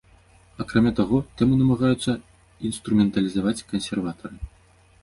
Акрамя таго, тэму намагаюцца інструменталізаваць кансерватары.